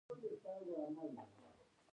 د ښې حل لارې ارزیابي او انتخاب.